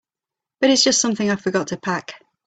But it's just something I forgot to pack.